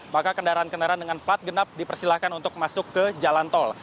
maka kendaraan kendaraan dengan plat genap dipersilahkan untuk masuk ke jalan tol